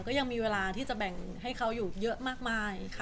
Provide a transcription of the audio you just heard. ก็ยังมีเวลาที่จะแบ่งให้เขาอยู่เยอะมากมาย